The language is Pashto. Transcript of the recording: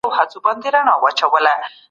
د اتفاق په وخت کي د خلکو ګټي همږغي کېږي.